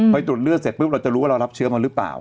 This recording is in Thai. ไปตรวจเลือดเสร็จปุ๊บเราจะรู้ว่าเรารับเชื้อมาหรือเปล่า